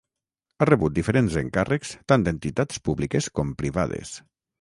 Ha rebut diferents encàrrecs tant d'entitats públiques com privades.